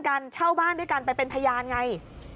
กันเช่าบ้านด้วยกันไปเป็นพยานไง